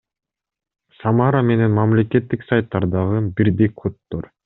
Самара менен мамлекеттик сайттардагы бирдей коддор